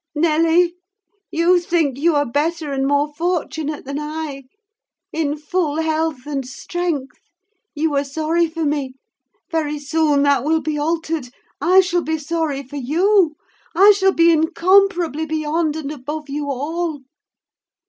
Nelly, you think you are better and more fortunate than I; in full health and strength: you are sorry for me—very soon that will be altered. I shall be sorry for you. I shall be incomparably beyond and above you all.